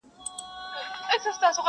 ځوانان پرې بحث کوي کله،